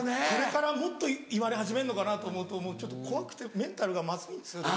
これからもっと言われ始めんのかなと思うと怖くてメンタルがまずいんです。